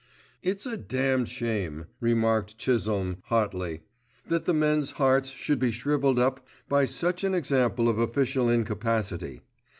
"It's a damned shame," remarked Chisholme hotly, "that the men's hearts should be shrivelled up by such an example of official incapacity.